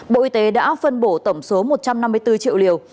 bộ y tế đã phân bổ tổng số một trăm năm mươi bốn triệu liều